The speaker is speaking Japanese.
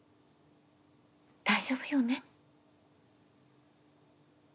大丈夫よね？